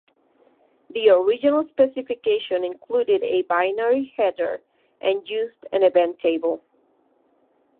The original specification included a binary header, and used an event table.